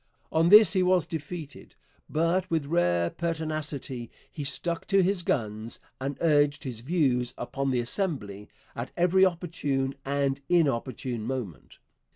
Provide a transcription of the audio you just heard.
On this he was defeated, but with rare pertinacity he stuck to his guns, and urged his views upon the Assembly at every opportune and inopportune moment.